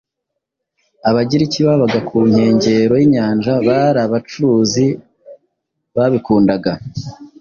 Abagiriki babaga ku nkengero y’inyanja bari abacuruzi babikundaga.